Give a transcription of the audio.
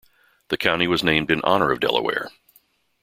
The county was named in honor of Delaware.